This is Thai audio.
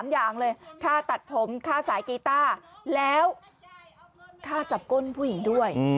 อย่างเลยค่าตัดผมค่าสายกีต้าแล้วค่าจับก้นผู้หญิงด้วย